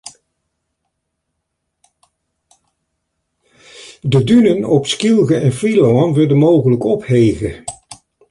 De dunen op Skylge en Flylân wurde mooglik ophege.